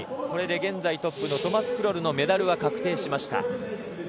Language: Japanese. これで現在トップのトマス・クロルのメダルは確定しました。